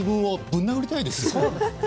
ぶん殴りたいです。